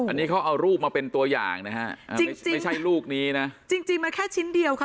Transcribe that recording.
อันนี้เขาเอารูปมาเป็นตัวอย่างนะฮะไม่ใช่ลูกนี้นะจริงจริงมาแค่ชิ้นเดียวค่ะ